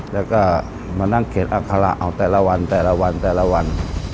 แล้วก็มานั่งเขียนอัคระเอาแต่ละวันแต่ละวันแต่ละวัน